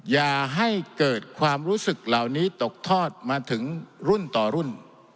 อย่าให้เกิดความรู้สึกเหล่านี้ตกทอดมาถึงรุ่นต่อรุ่น